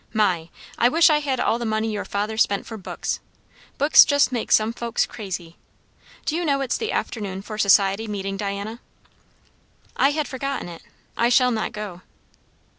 My! I wish I had all the money your father spent for books. Books just makes some folks crazy. Do you know it's the afternoon for Society meeting, Diana?" "I had forgotten it. I shall not go."